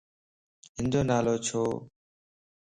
ھنَ جو نالو ڇو؟